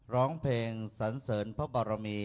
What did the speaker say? ร้องเพลงสันเสริญพระบารมี